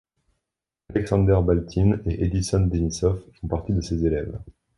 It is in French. Aleksandr Baltin et Edison Denisov font partie de ses élèves.